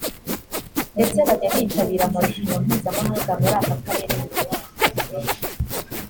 ndetse bajya bitabira amarushanwa mpuzamahanga muri aka karere buri mwaka